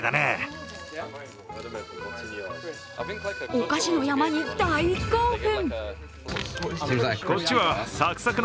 お菓子の山に大興奮！